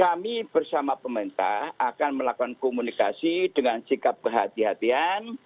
kami bersama pemerintah akan melakukan komunikasi dengan sikap kehatian